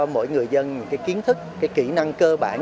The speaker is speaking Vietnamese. mỗi người dân kiến thức kỹ năng cơ bản